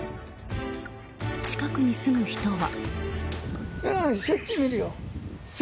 近くに住む人は。